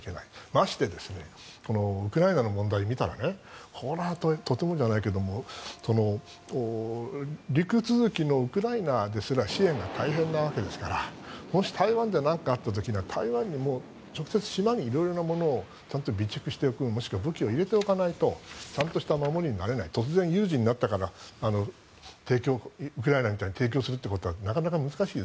ましてウクライナの問題を見たらほら、とてもじゃないけど陸続きのウクライナですら支援が大変なわけですからもし台湾で何かあったら直接、島に色々なものをちゃんと備蓄していく武器を入れておかないとちゃんとした守りになれない突然有事になったからウクライナみたいに提供するということはなかなか難しい。